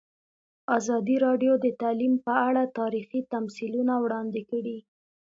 ازادي راډیو د تعلیم په اړه تاریخي تمثیلونه وړاندې کړي.